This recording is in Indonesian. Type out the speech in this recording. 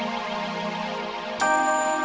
sampai jumpa lagi man